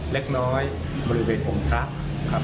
เล็กน้อยบริเวณองค์ทรัพย์